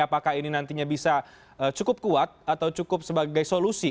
apakah ini nantinya bisa cukup kuat atau cukup sebagai solusi